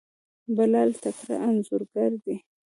بلال تکړه انځورګر دی.